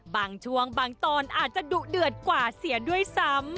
บางช่วงบางตอนอาจจะดุเดือดกว่าเสียด้วยซ้ำ